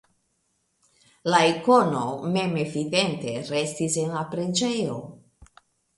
La ikono mem evidente restis en la preĝejo.